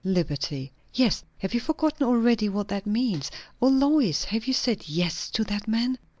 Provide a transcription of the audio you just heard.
"Liberty!" "Yes. Have you forgotten already what that means? O Lois! have you said yes to that man?